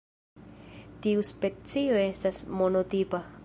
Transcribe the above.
Tiu specio estas monotipa.